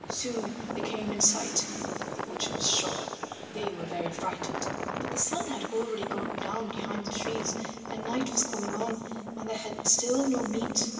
Soon they came in sight of the butcher's shop. They were very frightened. But the sun had already gone down behind the trees, and night was coming on, and they had still no meat.